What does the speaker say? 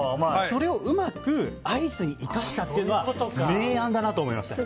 それをうまくアイスに生かしたっていうのは名案だなと思いました。